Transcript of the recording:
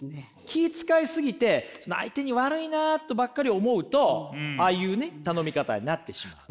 気ぃ遣い過ぎてその相手に悪いなとばっかり思うとああいうね頼み方になってしまう。